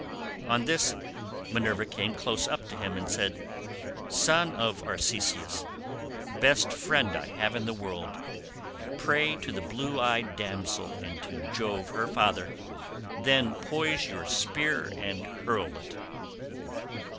On this Minerva came close up to him and said, "Son of Arceisius— best friend I have in the world—pray to the blue eyed damsel, and to Jove her father; then poise your spear and hurl it."